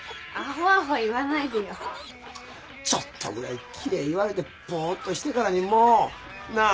ちょっとぐらいきれい言われてポーッとしてからにもう。なあ？